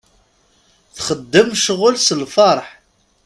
Txeddem ccɣel s lferḥ.